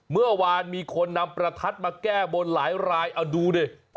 เมื่อวานมีคนนำประทัดมาแก้บนหลายรายเอาดูดิ